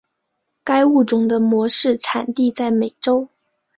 该物种的模式产地在美洲。